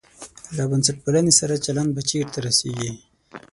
له بنسټپالنې سره چلند به چېرته رسېږي.